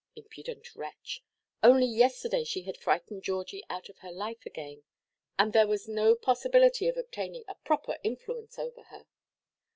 Impudent wretch! Only yesterday she had frightened Georgie out of her life again. And there was no possibility of obtaining a proper influence over her.